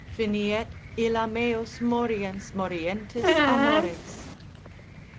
Finiet illa meos moriens morientis amores.